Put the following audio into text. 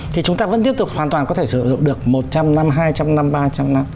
thì chúng ta vẫn tiếp tục hoàn toàn có thể sử dụng được một trăm năm hai trăm năm ba trăm năm